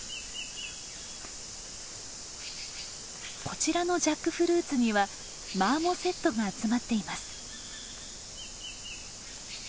こちらのジャックフルーツにはマーモセットが集まっています。